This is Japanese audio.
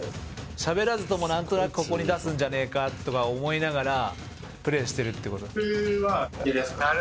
しゃべらずともなんとなくここに出すんじゃねえかとか思いながらプレーしてるって事？